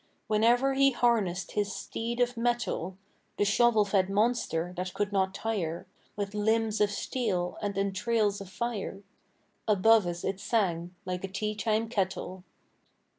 Whenever he harnessed his steed of mettle: The shovel fed monster that could not tire, With limbs of steel and entrails of fire; Above us it sang like a tea time kettle.